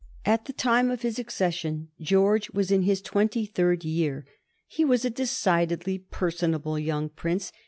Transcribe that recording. At the time of his accession George was in his twenty third year. He was a decidedly personable young Prince.